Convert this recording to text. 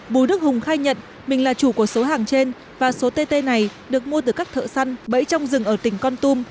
bùi đức hùng khai nhận mình là chủ của số hàng trên và số tt này được mua từ các thợ săn bẫy trong rừng ở tỉnh con tum